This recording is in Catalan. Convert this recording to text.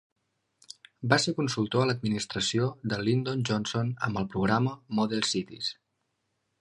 Va ser consultor a l'administració de Lyndon Johnson amb el programa Model Cities.